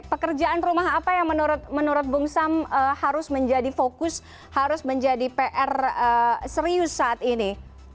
pekerjaan rumah apa yang menurut bung sam harus menjadi fokus harus menjadi pr serius saat ini